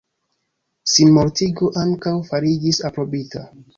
Sinmortigo ankaŭ fariĝis aprobita.